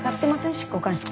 執行官室。